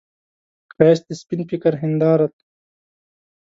ښایست د سپين فکر هنداره ده